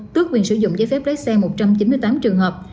tước quyền sử dụng giấy phép lái xe một trăm chín mươi tám trường hợp